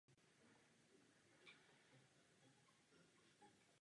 Případ proto skončil osvobozením podezřelých.